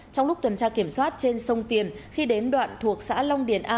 trong lúc tuần tra kiểm soát trên sông tiền khi đến đoạn thuộc xã long điền a